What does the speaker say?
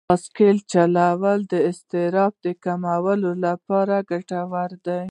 بایسکل چلول د اضطراب کمولو لپاره ګټور دي.